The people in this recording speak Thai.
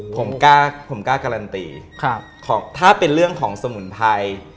ผมกล้าผมกล้าการันตีถ้าเป็นเรื่องของสมุนไพร